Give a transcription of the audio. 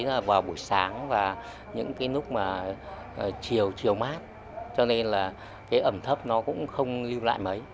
đó là vào buổi sáng và những cái lúc mà chiều chiều mát cho nên là cái ẩm thấp nó cũng không lưu lại mấy